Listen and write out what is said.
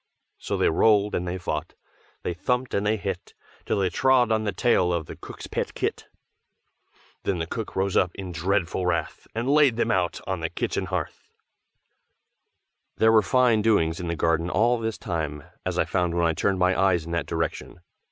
So they rolled and they fought, They thumped and they hit. Till they trod on the tail of the cook's pet kit. Then the cook rose up in dreadful wrath, And laid them out on the kitchen hearth. There were fine doings in the garden all this time, as I found when I turned my eyes in that direction.